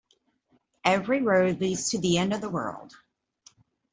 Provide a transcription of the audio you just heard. Every road leads to the end of the world.